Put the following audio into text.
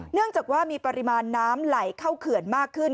เนื่องจากว่ามีปริมาณน้ำไหลเข้าเขื่อนมากขึ้น